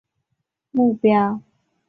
蚁鸟并非猎人或宠物贸易的目标。